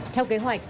theo kế hoạch